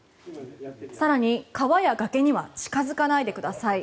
更に、川や崖には近付かないでください。